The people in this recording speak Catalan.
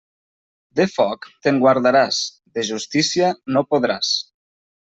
De foc, te'n guardaràs; de justícia, no podràs.